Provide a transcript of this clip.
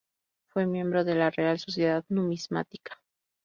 Fue miembro de la Real Sociedad Numismática.